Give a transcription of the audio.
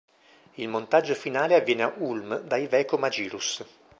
Il montaggio finale avviene a Ulm da Iveco Magirus.